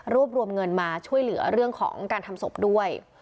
รวมเงินมาช่วยเหลือเรื่องของการทำศพด้วย